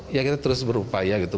ya kita terus berupaya gitu